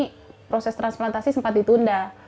tapi proses transplantasi sempat ditunda